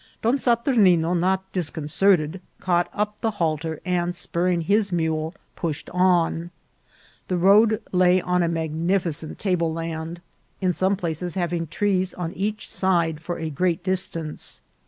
Don Saturnino, not discon certed, caught up the halter, and, spurring his mule, pushed on. The road lay on a magnificent table land, in some places having trees on each side for a great distance.